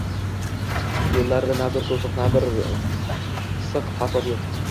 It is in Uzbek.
Yo`llarida na bir to`siq, na bir fisq-fasod yo`q